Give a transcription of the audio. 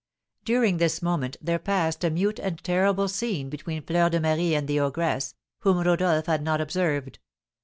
During this moment there passed a mute and terrible scene between Fleur de Marie and the ogress, whom Rodolph had not observed.